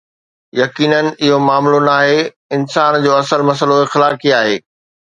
يقينن، اهو معاملو ناهي، انسان جو اصل مسئلو اخلاقي آهي.